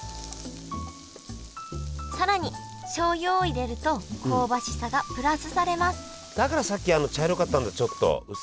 更にしょうゆを入れると香ばしさがプラスされますだからさっき茶色かったんだ。